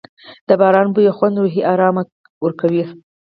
د باران بوی او خوند روحي آرام ورکوي.